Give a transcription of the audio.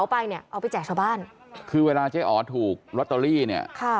เนี่ยเอาไปแจกชาวบ้านคือเวลาเจ๊อ๋อถูกเนี่ยค่ะ